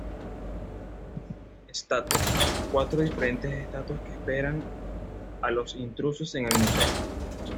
Estatuas: Cuatro diferentes estatuas que esperan a los intrusos en el Museo.